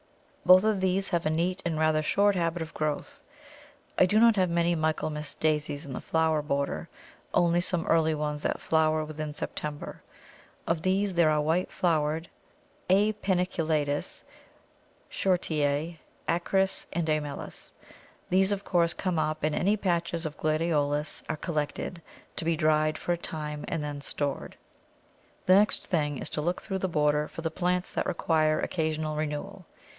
Both of these have a neat and rather short habit of growth. I do not have many Michaelmas Daisies in the flower border, only some early ones that flower within September; of these there are the white flowered A. paniculatus, Shortii, acris, and amellus. These of course come up, and any patches of Gladiolus are collected, to be dried for a time and then stored. The next thing is to look through the border for the plants that require occasional renewal.